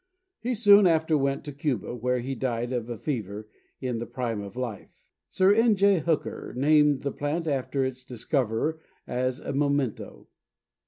He soon after went to Cuba, where he died of a fever in the prime of life. Sir N. J. Hooker named the plant after its discoverer as a memento.